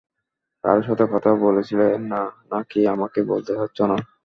কারো সাথে কথা বলছিলে না, না কি আমাকে বলতে চাচ্ছ না?